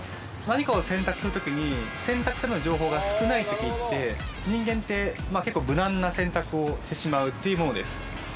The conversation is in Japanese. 何かを選択する時に選択する情報が少ない時って人間って結構無難な選択をしてしまうっていうものです